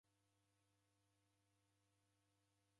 Wadunga mariw'a machi.